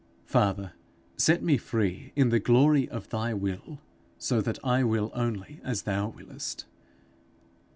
Father, set me free in the glory of thy will, so that I will only as thou willest.